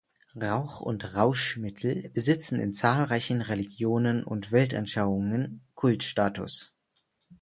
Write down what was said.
Rauch und Rauschmittel besitzen in zahlreichen Religionen und Weltanschauungen Kultstatus.